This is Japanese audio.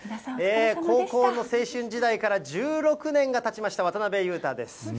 高校の青春時代から１６年がたちました、渡辺裕太です。